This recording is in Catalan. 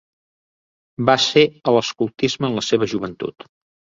Va ser a l'escoltisme en la seva joventut.